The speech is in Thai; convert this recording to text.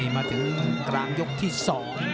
มาถึงกลางยกความเสี่ยงที่สอง